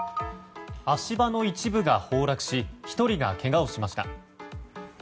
足場の一部が崩落し１人がけがをしました。